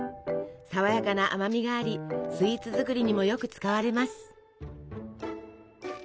さわやかな甘みがありスイーツ作りにもよく使われます。